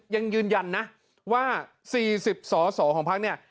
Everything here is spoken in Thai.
ยังยืนยันนะว่า๔๐สอสอของพักเนี่ย